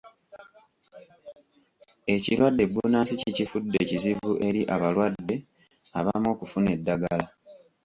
Ekirwadde bbunansi kikifudde kizibu eri abalwadde abamu okufuna eddagala.